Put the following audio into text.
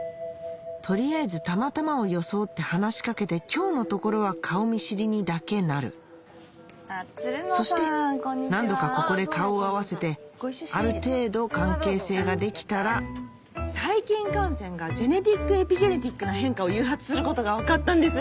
取りあえずたまたまを装って話しかけて今日のところは顔見知りにだけなるそして何度かここで顔を合わせてある程度関係性ができたら細菌感染がジェネティックエピジェネティックな変化を誘発することが分かったんです！